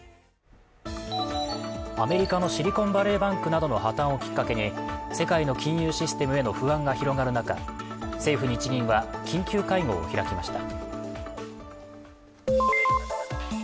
アメリカのシリコンバレーバンクなどの破綻をきっかけに世界の金融システムへの不安が広がる中政府・日銀は緊急会合を開きました。